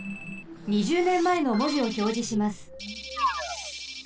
２０ねんまえのもじをひょうじします。